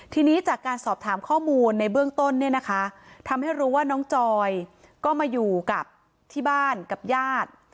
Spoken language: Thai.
ทีนี้จากการสอบถามข้อมูลในเบื้องต้นเนี่ยนะคะทำให้รู้ว่าน้องจอยก็มาอยู่กับที่บ้านกับญาติ